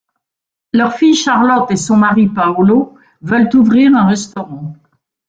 Leur fille Charlotte et son mari, Paolo, veulent ouvrir un restaurant...